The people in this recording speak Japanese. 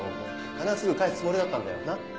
金はすぐ返すつもりだったんだよ。